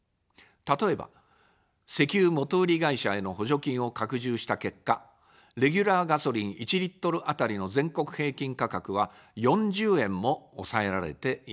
例えば、石油元売り会社への補助金を拡充した結果、レギュラーガソリン１リットル当たりの全国平均価格は４０円も抑えられています。